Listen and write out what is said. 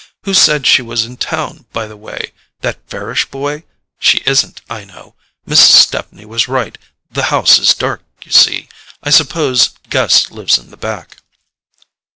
Who said she was in town, by the way? That Farish boy? She isn't, I know; Mrs. Stepney was right; the house is dark, you see: I suppose Gus lives in the back."